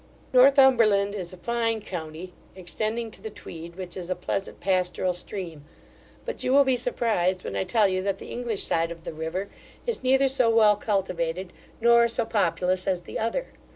Northumberland is a fine county, extending to the Tweed, which is a pleasant pastoral stream; but you will be surprised when I tell you that the English side of that river is neither so well cultivated nor so populous as the other.